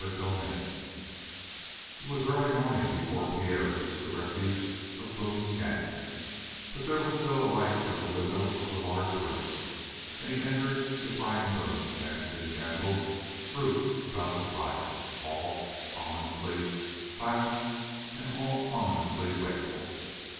CHAPTER 23 It was early morning before Pierre reached the refuge of Boone's gang, but there was still a light through the window of the large room, and he entered to find Boone, Mansie, and Gandil grouped about the fire, all ominously silent, all ominously wakeful.